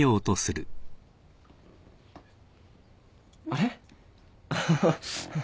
あれ？